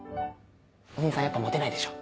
お義兄さんやっぱモテないでしょ。